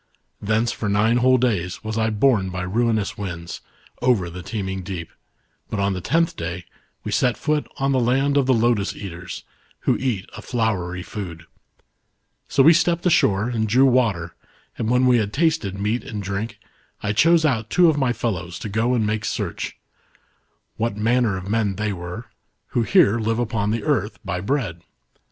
Thence for nine whole days, was I borne by ruinous winds, over the teeming deep ; but on the tenth day, we set foot on the land of the lotus eaters, who eat 1 See chapter 17. E 66 THE LOTUS .EATERS. a flowery food. So we stepped ashore and drew water, and when we had tasted meat and driuk, I chose out two of my fellows to go and make search, what manner of men they were, who here live upon the earth, by bread.